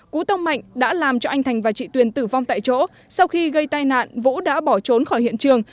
cú tông mạnh đã làm cho anh thành và chị tuyền tử vong tại chỗ sau khi gây tai nạn vũ đã bỏ trốn khỏi hiện trường